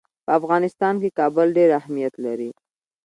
په افغانستان کې کابل ډېر اهمیت لري.